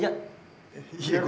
buat kamu